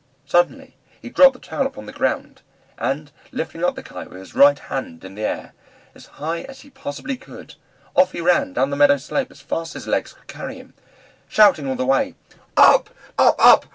Suddenly he dropped the tail upon the ground, and lifting up the Kite with his right hand in the air, as high as he possibly could, off he ran down the meadow slope as fast as his legs could carry him, shouting all the way, "Up, up, up!